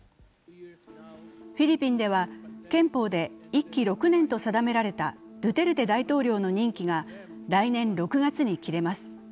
フィリピンでは憲法で１期６年と定められたドゥテルテ大統領の任期が来年６月に切れます。